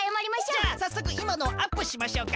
じゃあさっそくいまのをアップしましょうか。